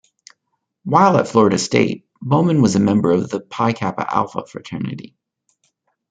While at Florida State, Bowman was a member of the Pi Kappa Alpha fraternity.